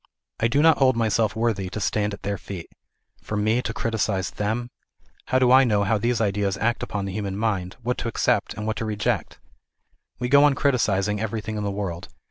I do not hold myself worthy to stand at their feet. For me to criticise them ! How do I know how these ideas act upon the human mind, what to accept and what to reject ? We^go on criticising everything in the world.